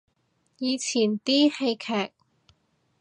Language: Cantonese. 以前啲戲劇